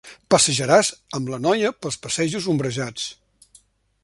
Passejaràs amb la noia pels passejos ombrejats.